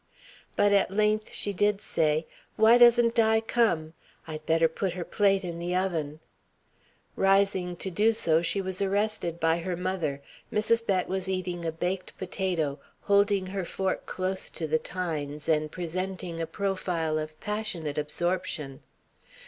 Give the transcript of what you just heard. But at length she did say: "Why doesn't Di come? I'd better put her plate in the oven." Rising to do so, she was arrested by her mother. Mrs. Bett was eating a baked potato, holding her fork close to the tines, and presenting a profile of passionate absorption.